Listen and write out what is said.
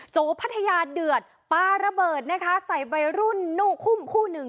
โพัทยาเดือดปลาระเบิดนะคะใส่วัยรุ่นลูกคุ้มคู่หนึ่ง